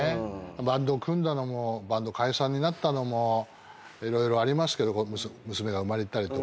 バンド組んだのもバンド解散になったのも色々ありますけど娘が生まれたりとか。